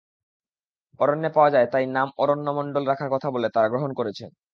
অরণ্যে পাওয়ায় তাই নাম অরণ্য মণ্ডল রাখার কথা বললে তাঁরা গ্রহণ করেছেন।